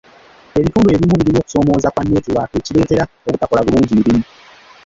Ebitundu ebimu birina okusoomooza kwa neetiwaaka ekireetawo obutakola birungi mirimu.